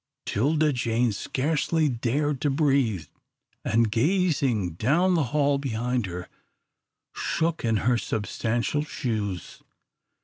'Tilda Jane scarcely dared to breathe, and, gazing down the hall behind her, shook in her substantial shoes.